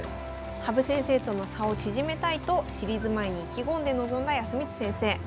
羽生先生との差を縮めたいとシリーズ前に意気込んで臨んだ康光先生。